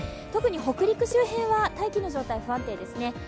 特に北陸周辺は大気の状態、不安定ですね。